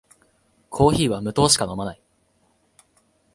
コーヒーは無糖しか飲まない